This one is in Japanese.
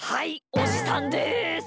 おじさんです！